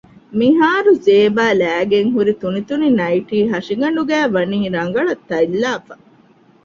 މިހާރު ޒޭބާ ލައިގެންހުރި ތުނިތުނި ނައިޓީ ހަށިގަނޑުގައި ވަނީ ރަނގަޅަށް ތަތްލާފަ